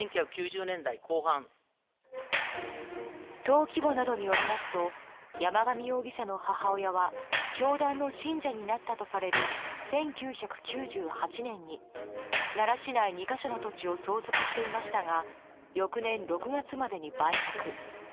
登記簿などによりますと山上容疑者の母親は教団の信者になったとされる１９９８年に奈良市内２か所の土地を相続していましたが翌年６月までに売却。